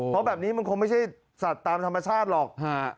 เพราะแบบนี้มันคงไม่ใช่สัตว์ตามธรรมชาติหรอก